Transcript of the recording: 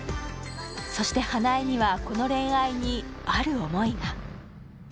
そして花枝にはこの恋愛にある思いが！